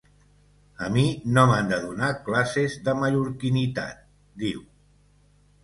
A mi no m’han de donar classes de mallorquinitat, diu.